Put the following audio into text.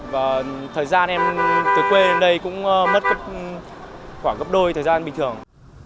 và thời gian em từ quê đến đây cũng mất khoảng gấp đôi thời gian bình thường